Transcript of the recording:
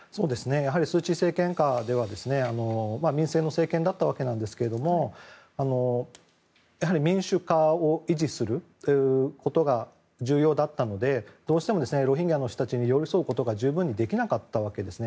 スー・チー政権下では民政の政権だったわけですけどもやはり民主化を維持することが重要だったのでどうしてもロヒンギャの人たちに寄り添うことが十分にできなかったわけですね。